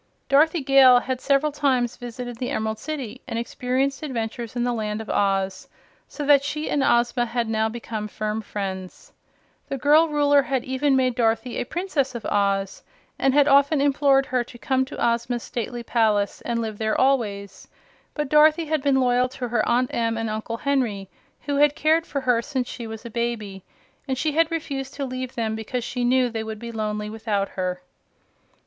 Dorothy Gale had several times visited the Emerald City and experienced adventures in the Land of Oz, so that she and Ozma had now become firm friends. The girl Ruler had even made Dorothy a Princess of Oz, and had often implored her to come to Ozma's stately palace and live there always; but Dorothy had been loyal to her Aunt Em and Uncle Henry, who had cared for her since she was a baby, and she had refused to leave them because she knew they would be lonely without her.